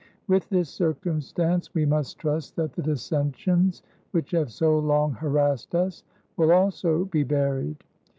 With this circumstance we trust that the dissensions which have so long harassed us, will also be buried.